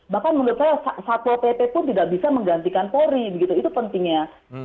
bahkan menurut saya satpol pp pun tidak bisa menggantikan polri itu pentingnya